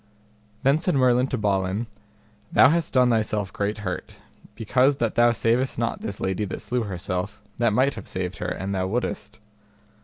Then said Merlin to Balin, Thou hast done thyself great hurt, because that thou savest not this lady that slew herself, that might have saved her an thou wouldest.